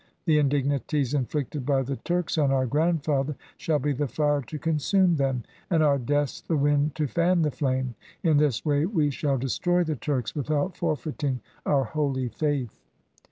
The indignities inflicted by the Turks on our grandfather shall be the fire to consume them, and our deaths the wind to fan the flame. In this way we shall destroy the Turks without forfeiting our holy faith.'